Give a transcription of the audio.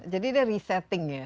jadi dia resetting ya